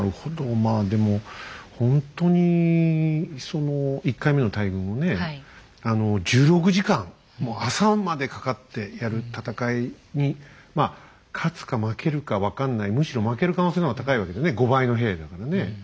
まあでもほんとにその１回目の大軍をねあの１６時間もう朝までかかってやる戦いにまあ勝つか負けるか分かんないむしろ負ける可能性の方が高いわけだね５倍の兵だからね。